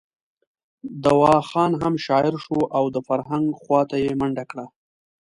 دوا خان هم شاعر شو او د فرهنګ خواته یې منډه کړه.